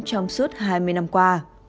trong suốt hai mươi năm qua